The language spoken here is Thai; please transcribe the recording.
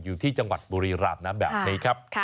อยู่ที่จังหวัดบุรีรามนะแบบนี้ครับ